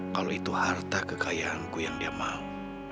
kalau itu harta kekayaanku yang dia mau